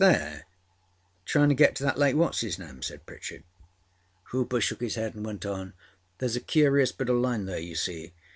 â âWould he pass thereâtryinâ to get to that Lake whatâs âis name?â said Pritchard. Hooper shook his head and went on: âThereâs a curious bit oâ line there, you see.